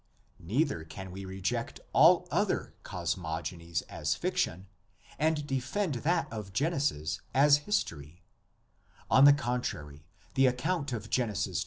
Neither can we reject all other cosmogonies as fiction and defend that of Genesis as history; on the contrary the account of Genesis i.